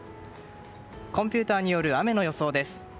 コンピューターによる雨の予想です。